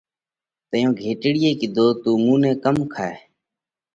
تئيون گھيٽڙيئہ ڪِيڌو: تُون مُون نئہ ڪم کائِيه؟